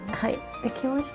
できました。